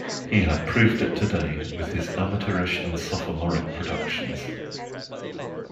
He had proved it today, with his amateurish and sophomoric productions.